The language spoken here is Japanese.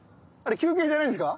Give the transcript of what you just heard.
休憩じゃないんですか？